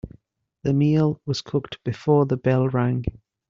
The meal was cooked before the bell rang.